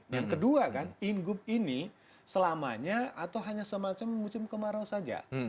yang kedua kan ingup ini selamanya atau hanya semacam musim kemarau saja